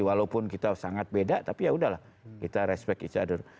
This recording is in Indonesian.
walaupun kita sangat beda tapi yaudahlah kita respect it outdoor